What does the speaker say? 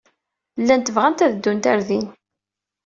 Llant bɣant ad ddunt ɣer din.